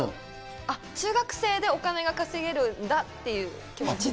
中学生でお金が稼げるんだっていう気持ちで。